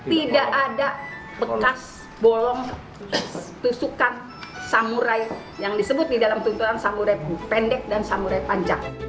tidak ada bekas bolong tusukan samurai yang disebut di dalam tuntunan samure pendek dan samurai panjang